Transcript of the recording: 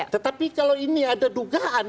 tetapi kalau ini ada dugaan